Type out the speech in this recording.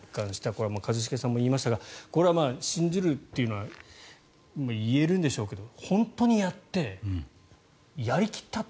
これは一茂さんも言いましたが信じるっていうのは言えるんでしょうけど本当にやって、やり切ったと。